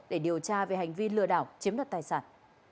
để điều tra về hành vi lừa đảo chiếm đoạt tài sản